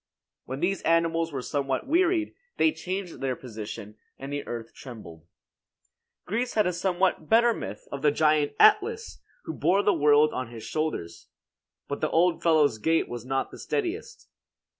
When these animals were somewhat wearied, they changed their position, and the earth trembled. Greece had a somewhat better myth of the giant Atlas, who bore the world on his shoulders; but the old fellow's gait was not of the steadiest.